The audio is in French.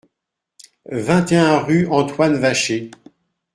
vingt et un rue Antoine Vacher